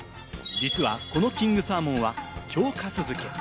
実はこのキングサーモンは京粕漬け。